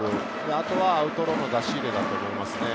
あとはアウトローの出し入れだと思います。